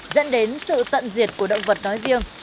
dẫn đến sự tận diệt của động vật nói riêng